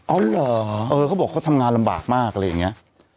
เหรอเออเขาบอกเขาทำงานลำบากมากอะไรอย่างนี้